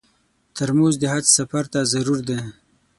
ترموز د حج سفر ته ضرور دی.